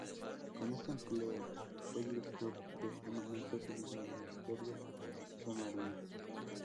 Con este empleo fue director de armamentos en el Ministerio de Marina.